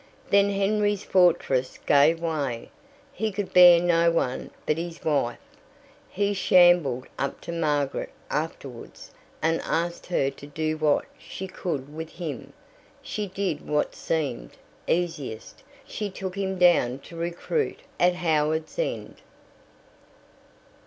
Then Henry's fortress gave way. He could bear no one but his wife, he shambled up to Margaret afterwards and asked her to do what she could with him. She did what seemed easiest she took him down to recruit at Howards End.